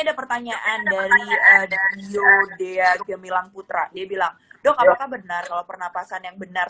ada pertanyaan dari yo dea gemilang putra dia bilang dok apakah benar kalau pernapasan yang benar